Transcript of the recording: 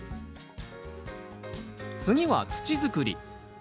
次は土づくり。